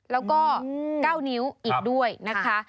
แล้วก็๙นิ้วอีกด้วยนะคะ